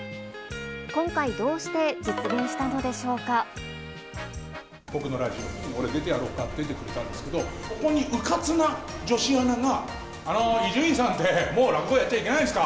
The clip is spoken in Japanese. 今回、どうして実現したのでしょ僕のラジオに、俺、出てやろうかって、出てくれたんですけれども、そこにうかつな女子アナが、あのー、伊集院さんって、もう落語やっちゃいけないんですか？